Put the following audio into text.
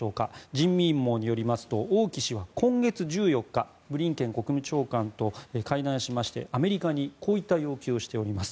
人民網によりますと王毅氏は今月１４日ブリンケン国務長官と会談してアメリカにこういった要求をしております。